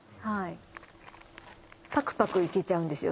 パクパクいけちゃうんですよ